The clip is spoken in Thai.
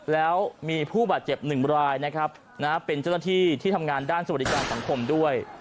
แล้วมีผู้บาดเจ็บหนึ่งรายนะครับเป็นเจ้าหน้าที่ที่ทำงานด้านสวัสดิการสังคมด้วย